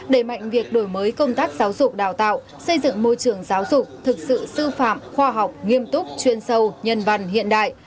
đẩy mạnh việc đổi mới công tác giáo dục đào tạo xây dựng môi trường giáo dục thực sự sư phạm khoa học nghiêm túc chuyên sâu nhân văn hiện đại